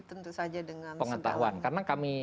tentu saja dengan segala pengetahuan karena kami